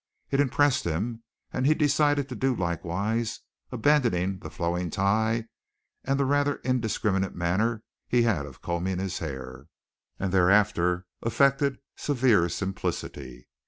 It impressed him and he decided to do likewise, abandoning the flowing tie and the rather indiscriminate manner he had of combing his hair, and thereafter affected severe simplicity.